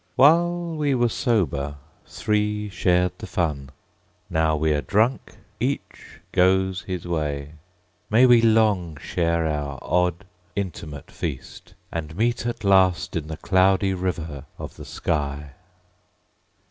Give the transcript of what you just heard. While we were sober, three shared the fun; Now we are drunk, each goes his way. May we long share our odd, inanimate feast, And meet at last on the Cloudy River of the sky.